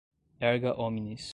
erga omnes